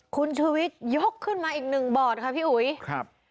คุณชูวิทยกขึ้นมาอีกหนึ่งบอร์ดค่ะพี่อุ๋ยครับ